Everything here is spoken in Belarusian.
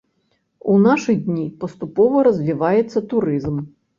У нашы дні паступова развіваецца турызм.